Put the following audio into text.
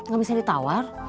gak bisa ditawar